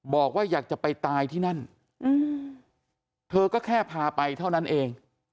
บอกว่าอยากจะไปตายที่นั่นเธอก็แค่พาไปเท่านั้นเอง